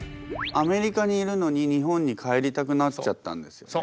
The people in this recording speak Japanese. アメリカにいるのに日本に帰りたくなっちゃったんですよね。